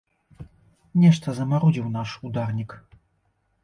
Нешта замарудзіў наш ударнік.